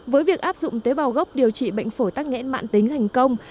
với việc áp dụng tế bào gốc điều trị bệnh phổi tắc nghẽn mạng tính thành công